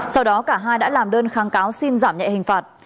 sau đó cả hai đã làm đơn kháng cáo xin giảm nhẹ hình phạt